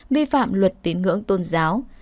vi phạm luật tiếng ngưỡng tôn giáo